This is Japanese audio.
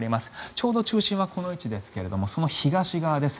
ちょうど中心はこの位置ですがその東側です。